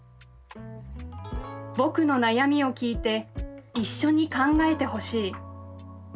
僕の悩みを聞いて一緒に考えてほしい。